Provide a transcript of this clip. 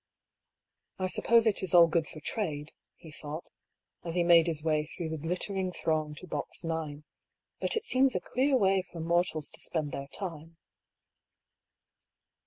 *' I suppose all this is good for trade," he thought, as he made his way through the glittering throng to box 9, ^' but it seems a queer way for mortals to spend their time."